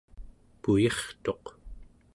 puyirtuq